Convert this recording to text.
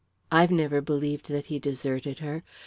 I've never believed that he deserted her.